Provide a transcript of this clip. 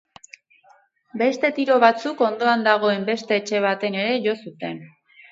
Beste tiro batzuk ondoan dagoen beste etxe baten ere jo zuten.